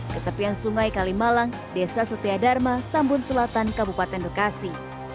ke tepian sungai kalimalang desa setia dharma tambun selatan kabupaten bekasi